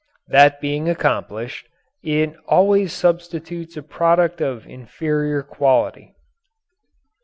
That being accomplished, it always substitutes a product of inferior quality.